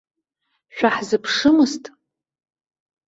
Шәаҳзыԥшымызт?